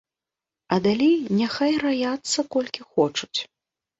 А далей няхай раяцца колькі хочуць.